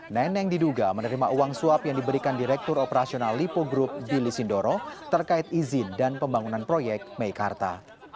neneng diduga menerima uang swap yang diberikan direktur operasional lipo grup dili sindoro terkait izin dan pembangunan proyek mekarta